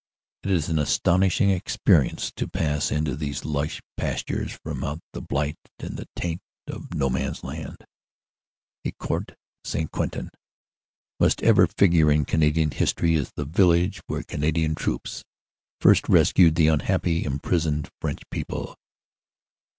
It is an astonishing experience to pass into these lush pastures from out the blight and the taint of No Man s Land. Ecourt St. Quentin must ever figure in Canadian history as the village where Canadian troops first rescued the unhappy imprisoned French people.